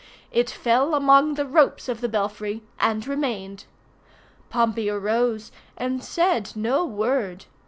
It fell among the ropes of the belfry and remained. Pompey arose, and said no word.